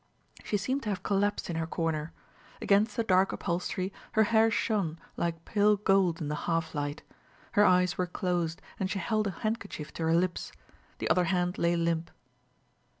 She seemed to have collapsed in her corner. Against the dark upholstery her hair shone like pale gold in the half light; her eyes were closed and she held a handkerchief to her lips; the other hand lay limp.